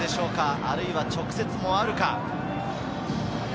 あるいは直接もあるか？